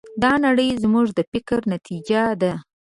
دا نړۍ زموږ د فکر نتیجه ده.